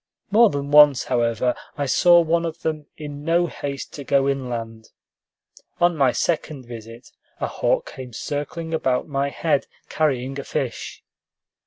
More than once, however, I saw one of them in no haste to go inland. On my second visit, a hawk came circling about my head, carrying a fish.